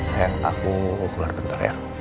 sayang aku keluar bentar ya